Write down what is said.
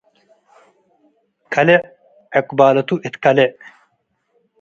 ከሌዕ ዕቅባለቱ እት ከሌዕ።